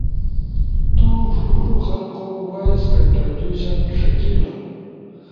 تو ہورو خلقو وائس کنٹربیوشن ݜکیلا،